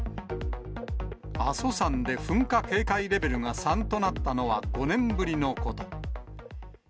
阿蘇山で噴火警戒レベルが３となったのは５年ぶりのこと。